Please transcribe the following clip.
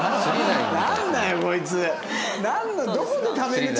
なんだよこいつ！